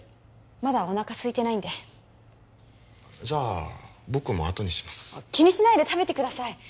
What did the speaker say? まだおなかすいてないんでじゃあ僕もあとにします気にしないで食べてください